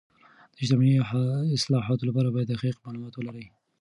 د اجتماعي اصلاحاتو لپاره باید دقیق معلومات ولري.